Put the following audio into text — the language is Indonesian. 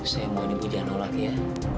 saya mau di budihano lagi ya